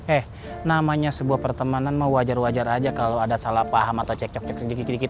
eh namanya sebuah pertemanan mah wajar wajar aja kalo ada salah paham atau cek cok cok di gigi gigi